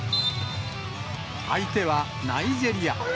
相手は、ナイジェリア。